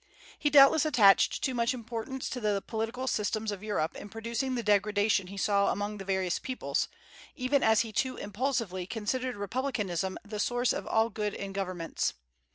He doubtless attached too much importance to the political systems of Europe in producing the degradation he saw among the various peoples, even as he too impulsively considered republicanism the source of all good in governments.